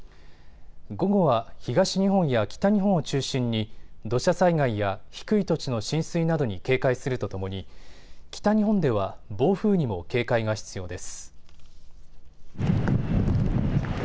午後は東日本や北日本を中心に土砂災害や低い土地の浸水などに警戒するとともに北日本では暴風にも警戒が必要です。